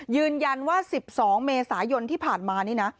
ยืนยันว่า๑๒เมษายนที่ผ่านมานี่นะ